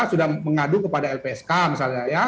sudah mengadu kepada lpsk misalnya ya